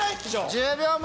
１０秒前！